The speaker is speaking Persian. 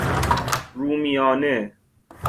رومیانه